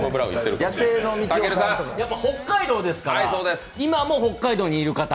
北海道ですから今も北海道にいる方